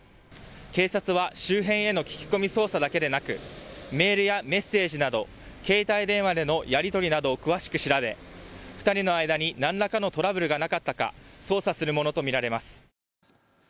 警察は周辺への聞き込み捜査だけでなくメールやメッセージなど携帯電話でのやり取りなどを詳しく調べ２人の間に何らかのトラブルがなかったか捜査するものと見られます。